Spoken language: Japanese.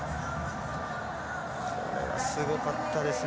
これはすごかったですね。